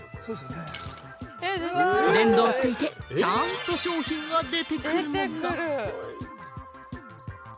連動していて、ちゃんと商品が出てくる。